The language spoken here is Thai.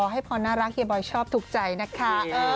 ให้พรน่ารักเฮียบอยชอบถูกใจนะคะ